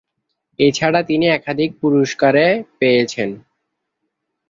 এছাড়া তিনি একাধিক পুরস্কারে পেয়েছেন।